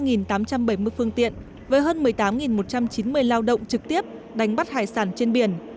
nghệ an có gần ba tám trăm bảy mươi phương tiện với hơn một mươi tám một trăm chín mươi lao động trực tiếp đánh bắt hải sản trên biển